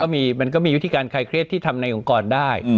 มันก็มีวิธีการคลายเครียดที่ทำในองค์กรได้